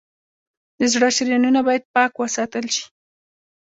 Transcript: د زړه شریانونه باید پاک وساتل شي.